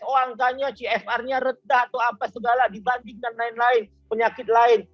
oh angkanya cfr nya reda atau apa segala dibandingkan lain lain penyakit lain